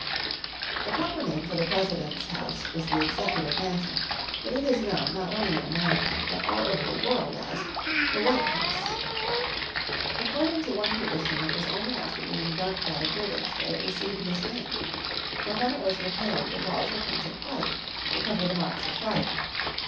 The proper name for the President's house is the Executive Mansion, but it is known, not only in America, but all the world over as the White House. According to one tradition it was only after being burnt by the British that it received this name. For when it was repaired the walls were painted white to cover the marks of fire.